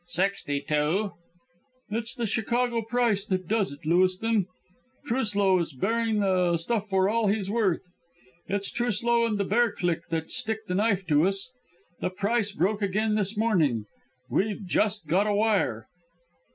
"Sixty two." "It's the Chicago price that does it, Lewiston. Truslow is bearing the stuff for all he's worth. It's Truslow and the bear clique that stick the knife into us. The price broke again this morning. We've just got a wire."